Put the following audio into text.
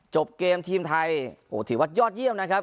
จบเกมทีมไทยโอ้โหถือว่ายอดเยี่ยมนะครับ